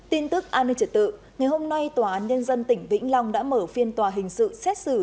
tin tức an ninh trật tự ngày hôm nay tòa án nhân dân tỉnh vĩnh long đã mở phiên tòa hình sự xét xử